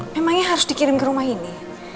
memangnya harus dikirim ke rumah ini